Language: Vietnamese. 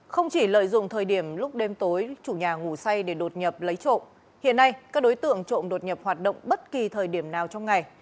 không chỉ lợi dụng thời điểm lúc đêm tối chủ nhà ngủ say để đột nhập lấy trộm hiện nay các đối tượng trộm đột nhập hoạt động bất kỳ thời điểm nào trong ngày